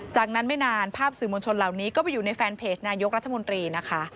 จากนั้นไม่นานภาพสื่อมวลชนเหล่านี้ก็ไปอยู่ในแฟนเพจนายกรัฐมนตรีนะคะ